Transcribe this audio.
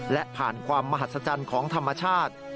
และผ่านความมหัศจรรย์ของธรรมชาติ